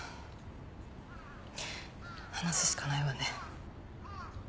話すしかないわね。